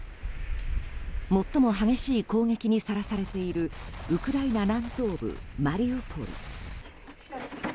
最も激しい攻撃にさらされているウクライナ南東部マリウポリ。